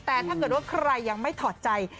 แต่ถ้าเกิดว่าใครยังไม่ถอดใจ